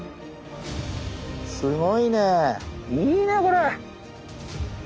すごいねいいねこれ。